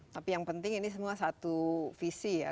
tapi yang penting ini semua satu visi ya